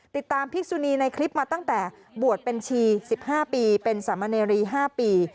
ติดตามภิกษุนีในคลิปมาตั้งแต่บวชเป็นชี๑๕ปีเป็นสรรมเนรี๕ปี